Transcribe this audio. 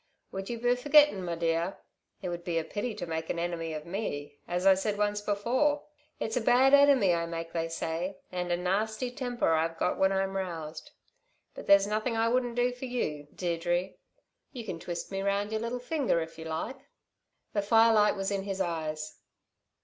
Would you be forgettin', my dear? It would be a pity to make an enemy of me, as I said once before. It's a bad enemy I make, they say, and a nasty temper I've got when I'm roused. But there's nothing I wouldn't do for you, Deirdre. You can twist me round your little finger if you like." The firelight was in his eyes.